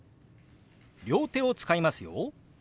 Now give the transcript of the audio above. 両手を使いますよ。